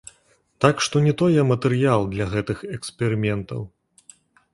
Так што не той я матэрыял для гэтых эксперыментаў.